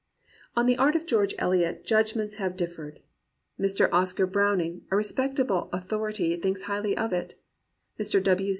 On the art of George Eliot judgments have dif fered. Mr. Oscar Browning, a respectable author ity, thinks highly of it. Mr.